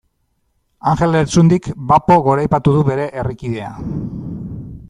Anjel Lertxundik bapo goraipatu du bere herrikidea.